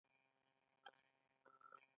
کتاب د ښکلا یو ډول دی.